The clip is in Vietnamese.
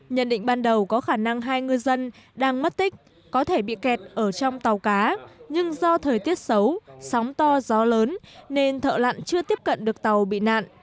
nhận định ban đầu có khả năng hai ngư dân đang mất tích có thể bị kẹt ở trong tàu cá nhưng do thời tiết xấu sóng to gió lớn nên thợ lặn chưa tiếp cận được tàu bị nạn